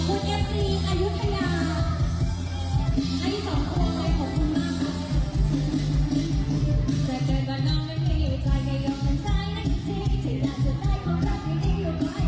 โอ้โหตกจันเลย